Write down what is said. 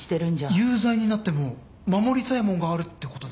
有罪になっても守りたいもんがあるってことだ。